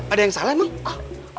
ada yang salah mak